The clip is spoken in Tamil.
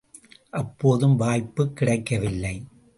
அப்போதும் வாய்ப்புக் கிடைக்கவில்லை.